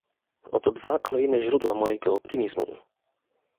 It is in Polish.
Oto dwa kolejne źródła mojego optymizmu